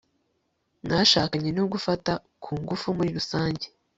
mwashakanye no gufata ku ngufu muri rusange